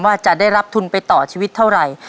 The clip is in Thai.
ว่าจะได้รับทุนไปต่อชีวิตเท่าไหร่